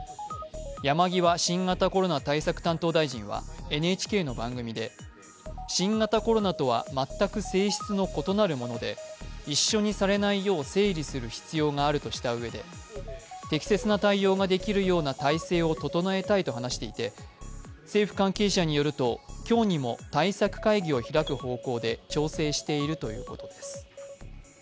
山際新型コロナ対策担当大臣はＮＨＫの番組で、新型コロナとは全く性質の異なるもので一緒にされないよう整理する必要があるとしたうえで、適切な対応ができるような体制を整えたいと話していて政府関係者によると、今日にも対策会議を開く方向で調整しているということです。